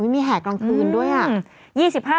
มีแห่กลางคืนด้วยอ่ะ